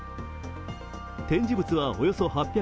展示物はおよそ８００点。